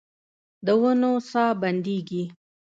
د ونو ساه بندیږې